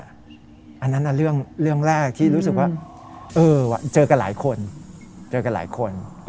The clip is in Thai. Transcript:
อันนั้นเรื่องแรกที่รู้สึกว่าเจอกันหลายคนเจอกันหลายคน